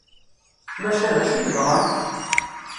Maca d acu i yeḍran?